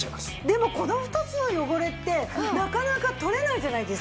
でもこの２つの汚れってなかなか取れないじゃないですか。